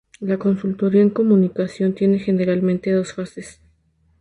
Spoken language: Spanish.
La consultoría en comunicación tiene generalmente dos fases.